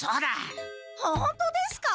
ホントですか？